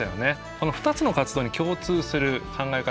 この２つの活動に共通する考え方としてですね